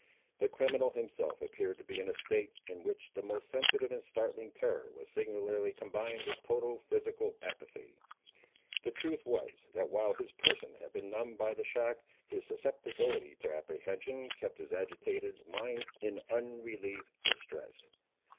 The criminal himself appeared to be in a state, in which the most sensitive and startling terror was singularly combined with total physical apathy. The truth was, that while his person had been numbed by the shock, his susceptibility to apprehension kept his agitated mind in unrelieved distress.